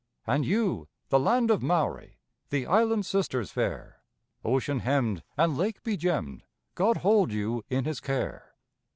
And you, the Land of Maori, The island sisters fair, Ocean hemmed and lake be gemmed, God hold you in His care!